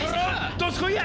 どすこいや！